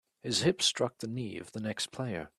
His hip struck the knee of the next player.